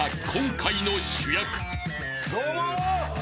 どうも！